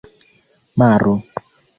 maro